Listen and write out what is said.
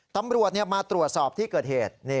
ตำรวจมาตรวจสอบที่เกิดเหตุ